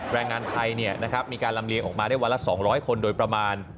แรงงานไทยมีการลำเลียงออกมาได้วันละ๒๐๐คนโดยประมาณ